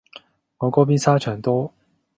我嗰邊沙場多